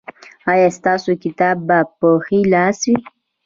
ایا ستاسو کتاب به په ښي لاس وي؟